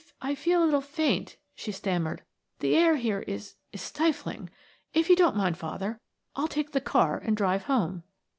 "I feel a little faint," she stammered. "The air here is is stifling. If you don't mind, father, I'll take the car and drive home."